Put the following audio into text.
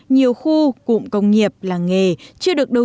nhiều khu cụm công nghiệp làng nghề chưa được đầu tư